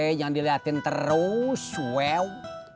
jangan diliatin terus wew